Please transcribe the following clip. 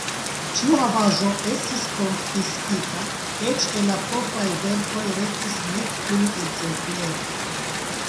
Ĉiu havaĵo estis konfiskita, eĉ el la propraj verkoj restis nek unu ekzemplero.